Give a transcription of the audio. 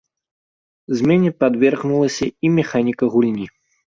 Змене падвергнулася і механіка гульні.